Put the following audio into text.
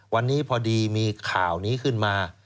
วันนี้พอดีมีข่าวนี้ขึ้นมา